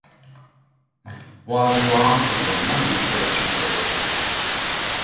Bois-Guillaume is well known for its tranquility.